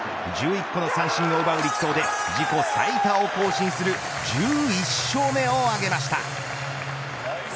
１１個の三振を奪う力投で自己最多を更新する１１勝目を挙げました。